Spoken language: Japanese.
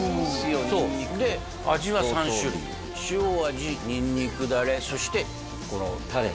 そうで味は３種類塩味にんにくダレそしてこのタレ？